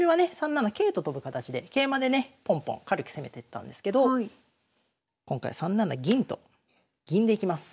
３七桂と跳ぶ形で桂馬でねポンポン軽く攻めてったんですけど今回３七銀と銀でいきます。